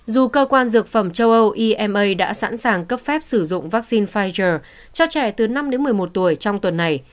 dù cơ quan dược phẩm châu âu ema đã sẵn sàng cấp phép sử dụng vaccine pfizer cho trẻ từ năm đến một mươi một tuổi trong tuần này